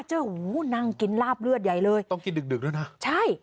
เจ้าหูนั่งกินลาบเลือดใหญ่เลยต้องกินดึกดึกแล้วนะใช่